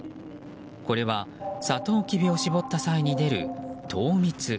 これはサトウキビを搾った際に出る、糖蜜。